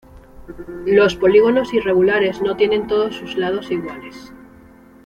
Los polígonos irregulares no tienen todos sus lados iguales.